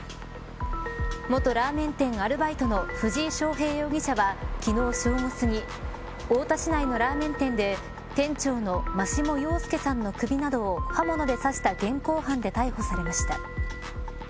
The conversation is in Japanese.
元ラーメン店アルバイトの藤井翔平容疑者は昨日正午すぎ太田市内のラーメン店で店長の真下陽介さんの首などを刃物で刺した現行犯で逮捕されました。